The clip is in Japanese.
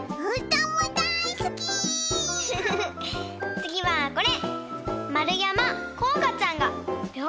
つぎはこれ！